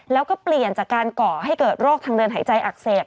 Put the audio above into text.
แล้วก็เปลี่ยนจากการก่อให้เกิดโรคทางเดินหายใจอักเสบ